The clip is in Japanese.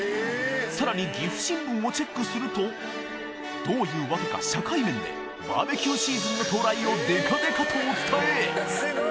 さらに岐阜新聞をチェックするとどういうわけか社会面でバーベキューシーズンの到来をデカデカとお伝え！